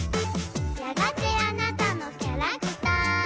「やがてあなたのキャラクター」